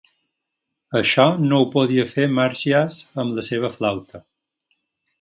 Això no ho podia fer Marsyas amb la seva flauta.